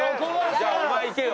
じゃあお前行けよ。